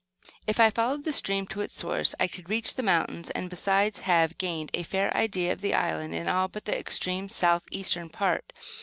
If I followed the stream to its source I should reach the mountains, and besides, have gained a fair idea of the island in all but the extreme south eastern part.